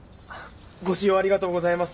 ご使用ありがとうございます。